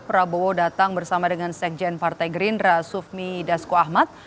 prabowo datang bersama dengan sekjen partai gerindra sufmi dasko ahmad